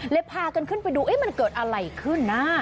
พากันขึ้นไปดูมันเกิดอะไรขึ้นนะ